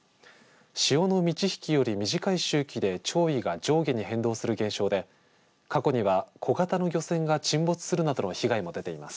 潮の満ち引きより短い周期で潮位が上下に変動する現象で過去には小型の漁船が沈没するなどの被害も出ています。